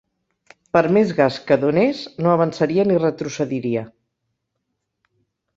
Per més gas que donés no avançaria ni retrocediria.